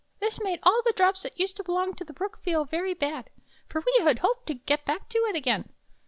This made all the drops that used to belong to the Brook feel very bad, for we hoped to get back to it again.